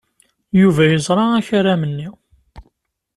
Yuba yeẓra akaram-nni.